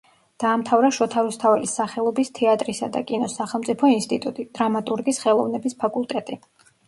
დაამთავრა შოთა რუსთაველის სახელობის თეატრისა და კინოს სახელმწიფო ინსტიტუტი, დრამატურგის ხელოვნების ფაკულტეტი.